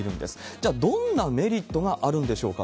じゃあ、どんなメリットがあるんでしょうか。